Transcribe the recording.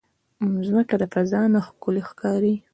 مځکه د فضا نه ښکلی ښکاري.